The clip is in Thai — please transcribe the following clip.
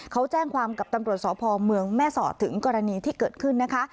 เขาแจ้งความกับตำรวจสพเมืองแม่สอดถึงกรณีที่เกิดขึ้นนะคะ